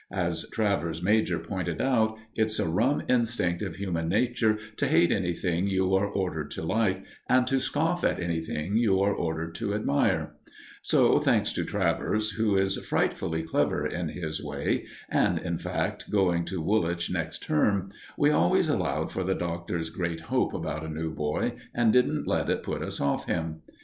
As Travers major pointed out, it's a rum instinct of human nature to hate anything you are ordered to like, and to scoff at anything you are ordered to admire; so, thanks to Travers, who is frightfully clever in his way, and, in fact, going to Woolwich next term, we always allowed for the Doctor's great hope about a new boy, and didn't let it put us off him.